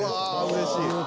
うれしい。